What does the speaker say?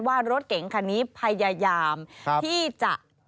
ว่ารถเก๋งคันนี้พยายามที่จะ